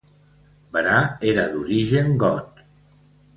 Berà era d'origen got.